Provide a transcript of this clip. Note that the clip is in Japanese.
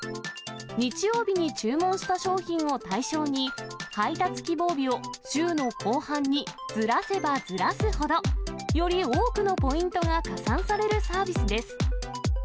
日曜日に注文した商品を対象に、配達希望日を週の後半にずらせばずらすほど、より多くのポイントが加算されるサービスです。